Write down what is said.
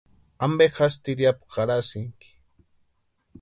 ¿Ampe jásï tiriapu jarhasïnki?